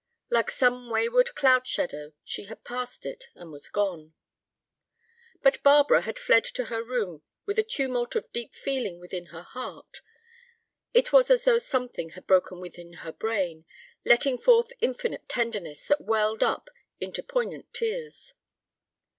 Like some wayward cloud shadow she had passed it and was gone. But Barbara had fled to her room with a tumult of deep feeling within her heart. It was as though something had broken within her brain, letting forth infinite tenderness that welled up into poignant tears.